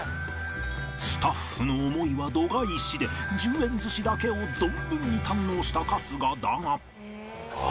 スタッフの思いは度外視で１０円寿司だけを存分に堪能した春日だが。